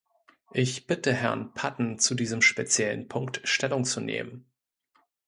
Ich bitte Herrn Patten, zu diesem speziellen Punkt Stellung zu nehmen.